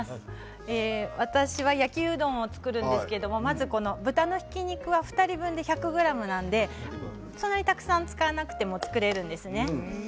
私は焼きうどんを作るんですけれどもまず豚のひき肉は２人分で１００ｇなのでそんなにたくさん使わなくても作れるんですね。